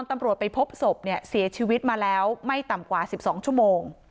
ไม่ต่ำกว่า๑๒ชั่วโมง